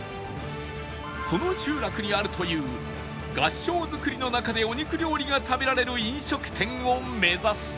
その集落にあるという合掌造りの中でお肉料理が食べられる飲食店を目指す